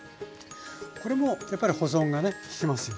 これもやっぱり保存がねききますよね？